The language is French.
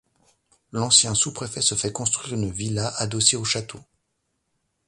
L'ancien sous-préfet se fait construire une villa adossée au château.